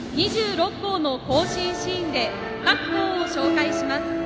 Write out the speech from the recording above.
２６校の行進シーンで各校を紹介します。